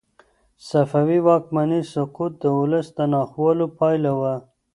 د صفوي واکمنۍ سقوط د ولس د ناخوالو پایله وه.